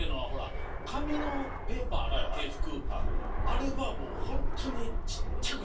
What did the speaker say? あれはもうホントに。